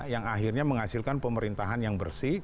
yang akhirnya menghasilkan pemerintahan yang bersih